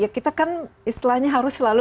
ya kita kan istilahnya harus selalu